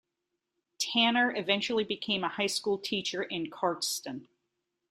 Tanner eventually became a high school teacher in Cardston.